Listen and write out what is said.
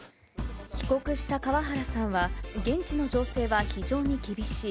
帰国した川原さんは、現地の情勢は非常に厳しい。